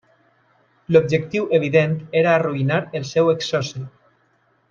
L'objectiu evident era arruïnar el seu exsoci.